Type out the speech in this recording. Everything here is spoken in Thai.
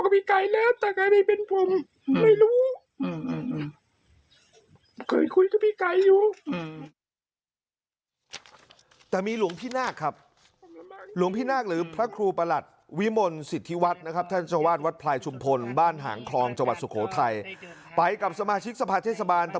ผมเราบ้างจริงอืมก็ทำไงได้เราก็ต้องสู้นะชีวิต